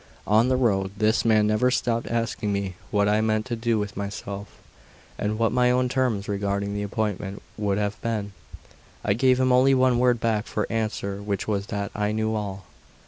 On the road, this man never stopped asking me what I meant to do with myself, and what my own terms regarding the appointment would have been. I gave him only one word back for answer which was that I knew all.